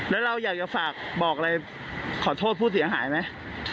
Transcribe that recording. แล้วเราอยากจะฝากบอกอะไรขอโทษผู้เสียหายไหม